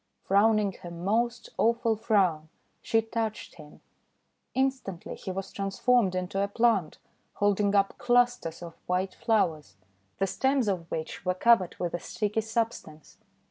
Frowning her most awful frown, she touched him. Instantly he was transformed into a plant holding up clusters of white flowers, the stems of which were covered with a sticky substance.